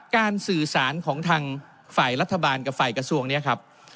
สื่อสารของทางฝ่ายรัฐบาลกับฝ่ายกระทรวงนี้ครับ